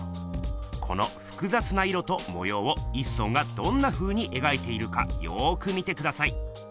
このふくざつな色ともようを一村がどんなふうにえがいているかよく見てください。